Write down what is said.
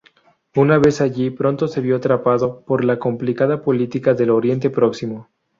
Una vez allí pronto se vio atrapado por la complicada política del Oriente Próximo.